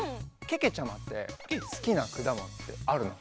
けけちゃまってすきなくだものってあるの？